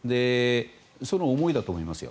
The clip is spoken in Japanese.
その思いだと思いますよ。